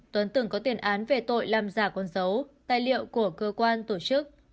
tuấn từng có tiền án về tội làm giả con dấu tài liệu của cơ quan tổ chức